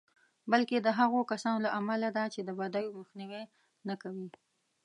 بلکې د هغو کسانو له امله ده چې د بدیو مخنیوی نه کوي.